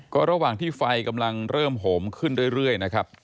ก็ระหว่างที่ไฟกำลังเริ่มโหมขึ้นเรื่อยนะครับ